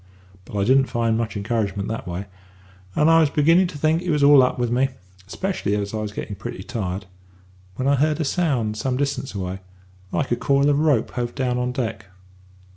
But I didn't find much encouragement that way; and I was beginning to think it was all up with me 'specially as I was getting pretty tired when I heard a sound some distance away, like a coil of rope hove down on deck.